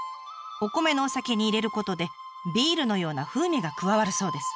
お米のお酒に入れることでビールのような風味が加わるそうです。